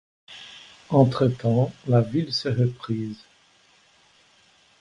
Entre-temps, la ville s'est reprise.